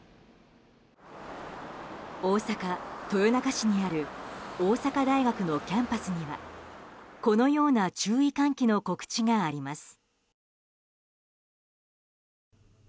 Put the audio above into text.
大阪・豊中市にある大阪大学のキャンパスにはこのような注意喚起の告知があります。